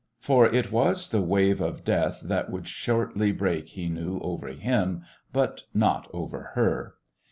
For it was the wave of death that would shortly break, he knew, over him, but not over her.